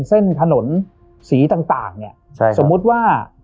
เส้นถนนสีต่างเนี่ยสมมุติว่า